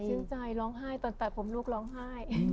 ชื่นใจร้องไห้ตอนตัดผมลูกร้องไห้